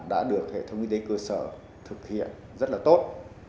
đã được hệ thống y tế cơ sở thực hiện rất là tốt